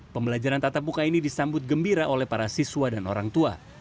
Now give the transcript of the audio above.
pembelajaran tatap muka ini disambut gembira oleh para siswa dan orang tua